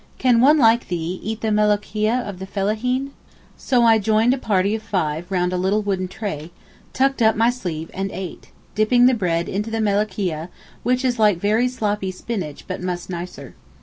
'Can one like thee eat the Melocheea of the Fellaheen?' So I joined a party of five round a little wooden tray, tucked up my sleeve and ate—dipping the bread into the Melocheea which is like very sloppy spinach but much nicer.